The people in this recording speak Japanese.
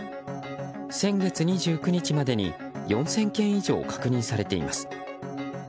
先月２９日までに４０００件以上確認されています。